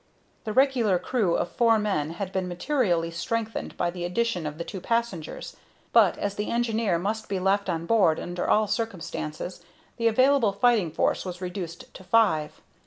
The regular crew of four men had been materially strengthened by the addition of the two passengers; but, as the engineer must be left on board under all circumstances, the available fighting force was reduced to five.